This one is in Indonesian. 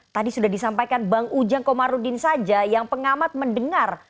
tadi sudah disampaikan bang ujang komarudin saja yang pengamat mendengar